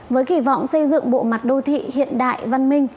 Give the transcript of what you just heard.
với kỳ vọng xây dựng bộ mặt đô thị hiện đại văn minh